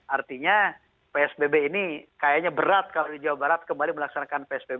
artinya psbb ini kayaknya berat kalau di jawa barat kembali melaksanakan psbb